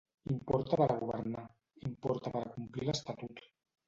Importa per a governar, importa per a complir l’estatut.